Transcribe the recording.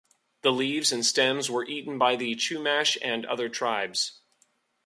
The leaves and stems were eaten by the Chumash and other tribes.